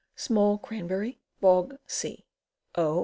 Small Cranberry. Bog C. O.